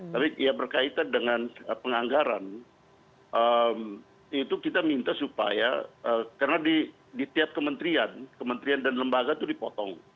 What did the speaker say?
tapi ya berkaitan dengan penganggaran itu kita minta supaya karena di tiap kementerian kementerian dan lembaga itu dipotong